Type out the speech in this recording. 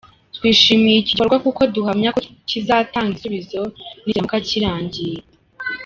twishimiye iki gikorwa kuko duhamya ko kizatanga igisubizo nikiramuka kirangiye.